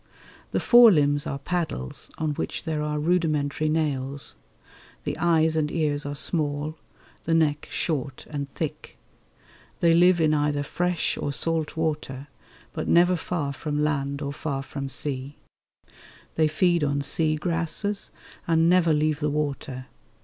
The fore limbs are paddles, on which there are rudimentary nails; the eyes and ears are small; the neck short and thick. They live in either fresh or salt water, but never far from land or far from sea. They feed on sea grasses and never leave the water.